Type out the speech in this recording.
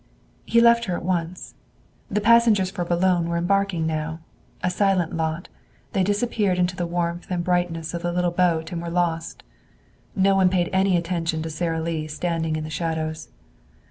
He left her at once. The passengers for Boulogne were embarking now. A silent lot, they disappeared into the warmth and brightness of the little boat and were lost. No one paid any attention to Sara Lee standing in the shadows.